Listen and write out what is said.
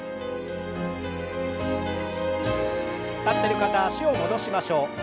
立ってる方は脚を戻しましょう。